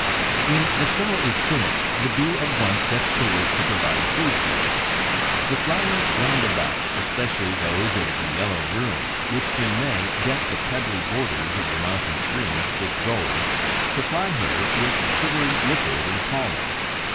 When the cell is finished, the Bee at once sets to work to provide food for it. The flowers round about, especially those of the yellow broom, which in May deck the pebbly borders of the mountain streams with gold, supply her with sugary liquid and pollen.